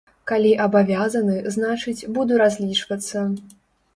Калі абавязаны, значыць, буду разлічвацца.